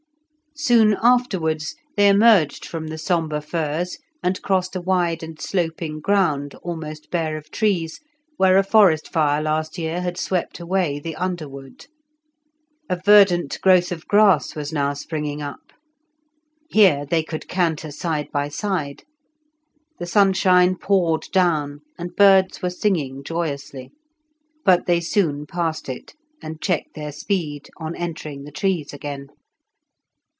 Soon afterwards they emerged from the sombre firs and crossed a wide and sloping ground, almost bare of trees, where a forest fire last year had swept away the underwood. A verdant growth of grass was now springing up. Here they could canter side by side. The sunshine poured down, and birds were singing joyously. But they soon passed it, and checked their speed on entering the trees again.